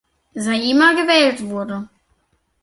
Saeima gewählt wurde.